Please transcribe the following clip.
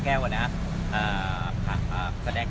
ไม่ใช่นี่คือบ้านของคนที่เคยดื่มอยู่หรือเปล่า